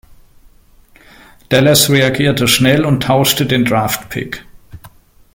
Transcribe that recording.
Dallas reagierte schnell und tauschte den Draftpick.